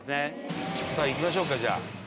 さあいきましょうかじゃあ。